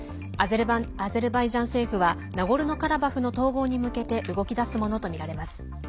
アゼルバイジャン政府はナゴルノカラバフの統合に向けて動き出すものとみられます。